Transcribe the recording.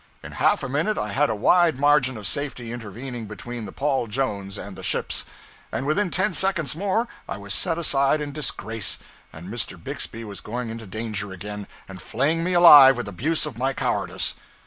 In half a minute I had a wide margin of safety intervening between the 'Paul Jones' and the ships; and within ten seconds more I was set aside in disgrace, and Mr. Bixby was going into danger again and flaying me alive with abuse of my cowardice.